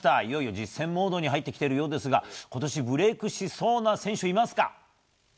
いよいよ実戦モードに入ってきているようですが今年、ブレークしそうな選手はいますか？